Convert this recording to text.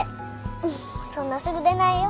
そんなすぐ出ないよ。